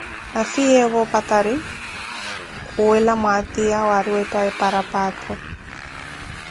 Afiyeevo opatari khuwela mmwatiya wari weethaye parapaattho.